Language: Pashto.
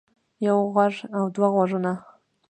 يو غوږ او دوه غوږونه